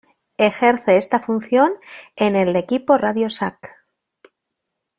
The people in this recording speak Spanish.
Ejerce esta función en el equipo RadioShack.